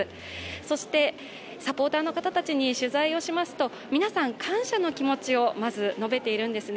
そしてサポーターの方たちに取材をしますと、皆さん、感謝の気持ちをまず述べているんですね。